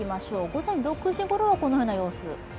午前６時くらいはこのような様子。